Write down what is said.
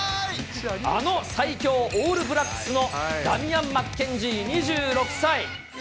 あの最強オールブラックスのダミアン・マッケンジー２６歳。